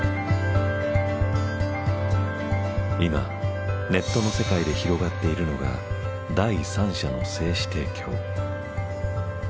今ネットの世界で広がっているのが第三者の精子提供。